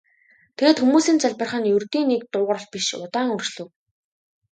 Тэгээд хүмүүсийн залбирах нь ердийн нэг дуугаралт биш удаан үргэлжлэв.